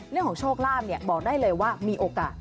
เรื่องของโชคลาภบอกได้เลยว่ามีโอกาส